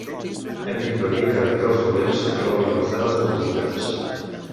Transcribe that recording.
Hem d'impedir que actors dolents robin les dades dels visitants.